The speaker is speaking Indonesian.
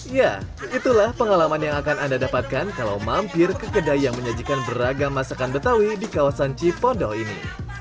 ya itulah pengalaman yang akan anda dapatkan kalau mampir ke kedai yang menyajikan beragam masakan betawi di kawasan cipondo ini